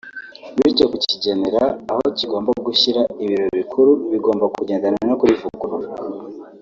bityo kukigenera aho kigomba gushyira ibiro bikuru bigomba kugendana no kurivugurura